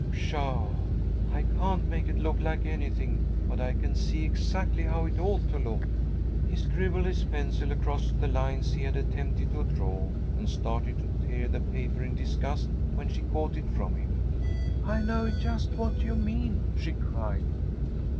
Pshaw! I can't make it look like anything, but I can see exactly how it ought to look." He scribbled his pencil across the lines he had attempted to draw, and started to tear the paper in disgust, when she caught it from him. "I know just what you mean," she cried.